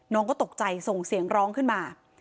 น้องก็ตกใจส่งเสียงร้องขึ้นมา